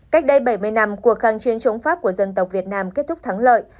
cách đây bảy mươi năm cuộc kháng chiến chống pháp của dân tộc việt nam kết thúc thắng lợi